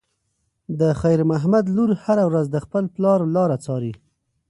د خیر محمد لور هره ورځ د خپل پلار لاره څاري.